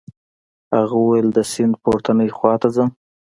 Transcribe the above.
هغه وویل د سیند پورتنۍ خواته ځم.